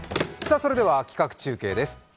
それでは企画中継です。